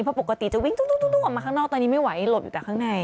เพราะปกติจะวิ่งออกมาข้างนอกตอนนี้ไม่ไหวหลบอยู่แต่ข้างใน